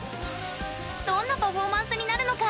どんなパフォーマンスになるのか。